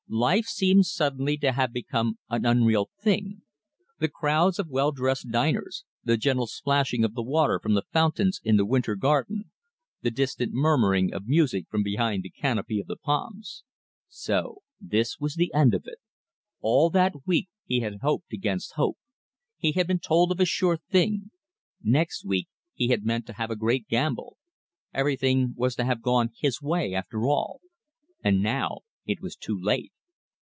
Life seemed suddenly to have become an unreal thing the crowds of well dressed diners, the gentle splashing of the water from the fountains in the winter garden, the distant murmuring of music from behind the canopy of palms. So this was the end of it! All that week he had hoped against hope. He had been told of a sure thing. Next week he had meant to have a great gamble. Everything was to have gone his way, after all. And now it was too late.